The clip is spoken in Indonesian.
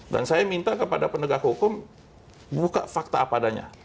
dan saya minta kepada pendegak hukum buka fakta apa adanya